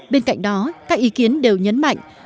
bên cạnh đó các ý kiến đều nhấn mạnh